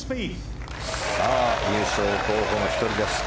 優勝候補の１人です。